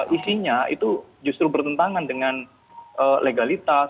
isinya itu justru bertentangan dengan legalitas